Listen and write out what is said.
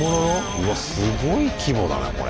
うわっすごい規模だねこれ。